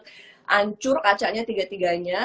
hancur kacanya tiga tiganya